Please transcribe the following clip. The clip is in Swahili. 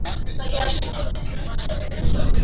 nchi zinazozaa mafuta ya petroli Makao makuu